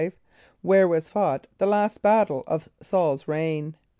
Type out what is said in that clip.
= Where was fought the last battle of S[a:]ul's reign?